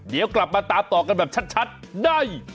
เดี๋ยวกลับมาตามต่อกันแบบชัดได้